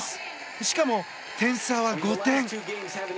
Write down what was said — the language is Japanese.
しかも点差は５点。